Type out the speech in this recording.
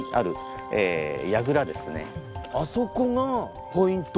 あそこがポイント？